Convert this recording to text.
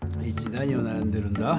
何をなやんでるんだ？